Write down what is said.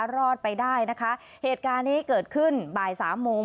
รอดไปได้นะคะเหตุการณ์นี้เกิดขึ้นบ่ายสามโมง